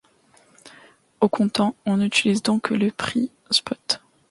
Au comptant, on utilise donc le prix spot.